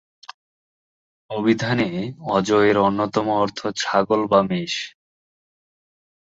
অভিধানে অজ-এর অন্যতম অর্থ ছাগল বা মেষ।